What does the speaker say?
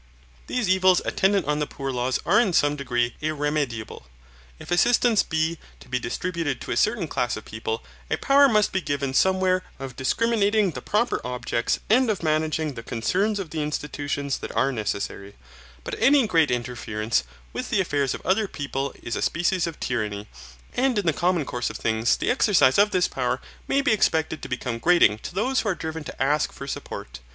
These evils attendant on the poor laws are in some degree irremediable. If assistance be to be distributed to a certain class of people, a power must be given somewhere of discriminating the proper objects and of managing the concerns of the institutions that are necessary, but any great interference with the affairs of other people is a species of tyranny, and in the common course of things the exercise of this power may be expected to become grating to those who are driven to ask for support.